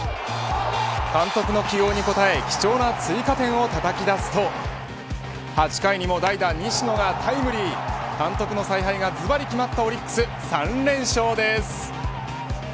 監督の起用に応え貴重な追加点をたたき出すと８回にも代打、西野がタイムリー監督の采配がずばり決まったオリックス３連勝です。